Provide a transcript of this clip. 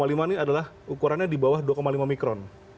lima puluh lima ini adalah ukurannya di bawah dua lima mikron